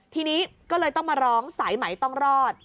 ทีนี้ก็เลยต้องมาร้องสายไหมต้องรอด